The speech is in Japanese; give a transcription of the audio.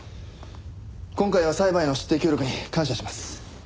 今回は裁判への出廷協力に感謝します。